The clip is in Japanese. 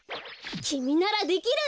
きみならできる！